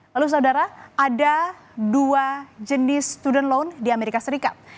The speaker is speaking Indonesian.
lalu saudara ada dua jenis student loan di amerika serikat